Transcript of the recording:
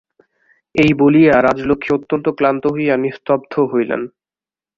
এই বলিয়া রাজলক্ষ্মী অত্যন্ত ক্লান্ত হইয়া নিস্তব্ধ হইলেন।